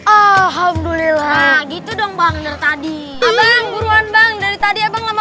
alhamdulillah gitu dong bang dari tadi abang buruan bang dari tadi abang lama